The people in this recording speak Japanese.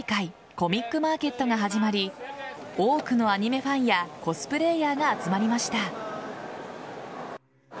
コミックマーケットが始まり多くのアニメファンやコスプレーヤーが集まりました。